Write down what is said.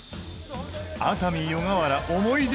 熱海・湯河原思い出